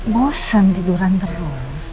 bosan tiduran terus